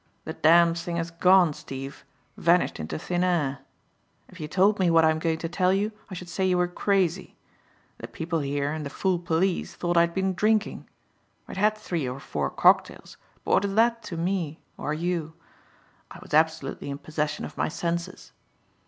The damned thing has gone, Steve, vanished into thin air. If you told me what I'm going to tell you, I should say you were crazy. The people here and the fool police thought I'd been drinking. I'd had three or four cocktails, but what is that to me or you? I was absolutely in possession of my senses.